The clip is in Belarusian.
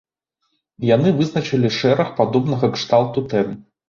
І яны вызначылі шэраг падобнага кшталту тэм.